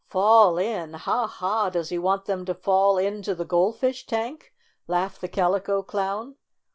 "Fall in! Ha! Ha! Does he want them to fall into the Goldfish tank V 7 laughed the Calico Clown.